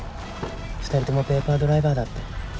２人ともペーパードライバーだって。